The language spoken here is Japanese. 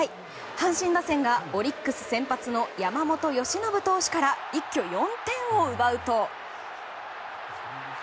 阪神打線がオリックス先発の山本由伸投手から一挙４点を奪うと。